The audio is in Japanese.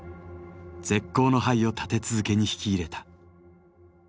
絶好の牌を立て続けにひき入れた。